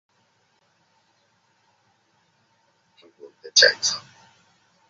কি বলতে চাইছো?